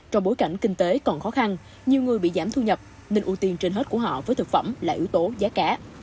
trong bối cảnh kinh tế còn khó khăn nhiều người bị giảm thu nhập nên ưu tiên trên hết của họ với thực phẩm là yếu tố giá cả